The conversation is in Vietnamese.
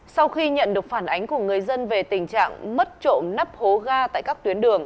sau khi nhận được phản ánh của người dân về tình trạng mất trộm nắp hố ga tại các tuyến đường